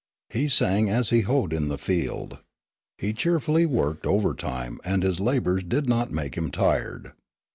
He sang as he hoed in the field. He cheerfully worked overtime and his labors did not make him tired.